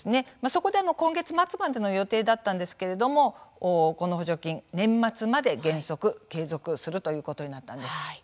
そこで、今月末までの予定だったんですけれどもこの補助金、年末まで原則継続するということになったんです。